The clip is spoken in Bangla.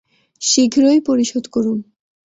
শীঘ্রই পরিশোধ করুন।